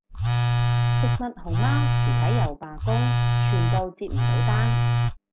食物熊貓前排又罷工，全部接唔到單